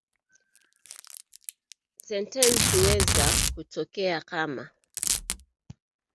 Sentensi huweza kutokea kama;